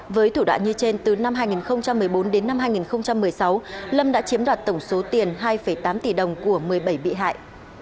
với thủ đoạn như trên từ năm hai nghìn một mươi bốn đến năm hai nghìn một mươi sáu lâm đã chiếm đoạt tổng số tiền hai tám tỷ đồng của một mươi bảy bị hại